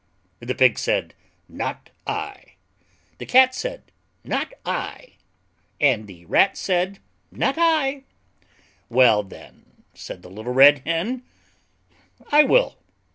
The Pig said, "Not I," the Cat said, "Not I," and the Rat said, "Not I." "Well, then," said the Little Red Hen, "I will."